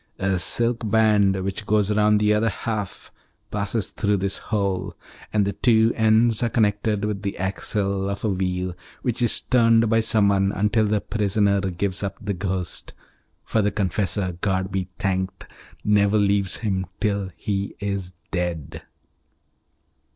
A silk band, which goes round the other half, passes through this hole, and the two ends are connected with the axle of a wheel which is turned by someone until the prisoner gives up the ghost, for the confessor, God be thanked! never leaves him till he is dead."